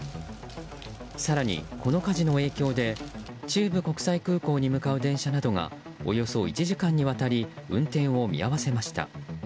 更に、この火事の影響で中部国際空港に向かう電車などがおよそ１時間にわたり運転を見合わせました。